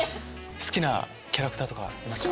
好きなキャラクターとかいますか？